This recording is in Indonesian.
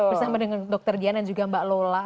bersama dengan dokter diana dan juga mbak lola